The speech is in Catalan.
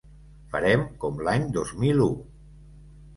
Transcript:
Farem com l'any dos mil u.